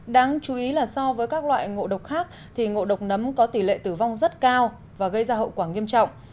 đáng chú ý là so với các loại ngộ độc khác thì ngộ độc nấm có tỷ lệ tử vong rất cao và gây ra hậu quả nghiêm trọng